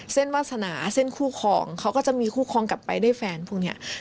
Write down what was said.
เส้นวาสนาเส้นคู่ครองเขาก็จะมีคู่ครองกลับไปได้แฟนพวกเนี่ย